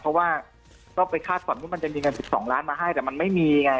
เพราะว่าก็ไปคาดฝันว่ามันจะมีเงิน๑๒ล้านมาให้แต่มันไม่มีไง